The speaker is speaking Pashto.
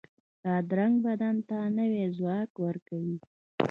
بادرنګ بدن ته نوی ځواک ورکوي.